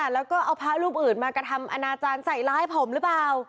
แล้วก็เอาพระรูปอื่นมากระทำอนาจารย์ใส่ร้ายผมหรือเปล่า